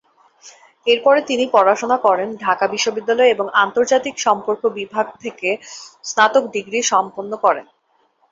এরপরে তিনি পড়াশোনা করেন ঢাকা বিশ্ববিদ্যালয়ে এবং আন্তর্জাতিক সম্পর্ক বিভাগ থেকে স্নাতক ডিগ্রী সম্পন্ন করেন।